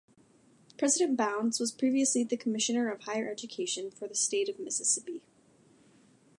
President Bounds was previously the commissioner of higher education for the state of Mississippi.